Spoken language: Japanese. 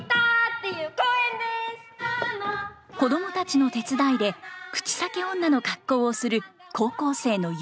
子供たちの手伝いで口裂け女の格好をする高校生のゆい。